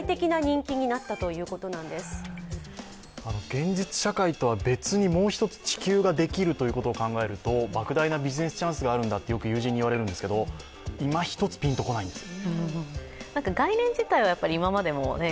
現実社会とは別にもう一つ地球ができるということを考えるとばく大なビジネスチャンスがあるんだと友人に言われるんですけどいまひとつピンとこないんです。